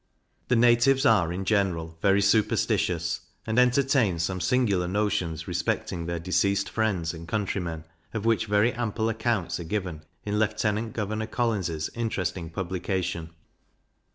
The natives are in general very superstitious, and entertain some singular notions respecting their deceased friends and countrymen, of which very ample accounts are given in Lieutenant Governor Collins's interesting publication.